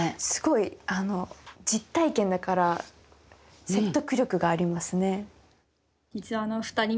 すごい実体験だから説得力がありますね。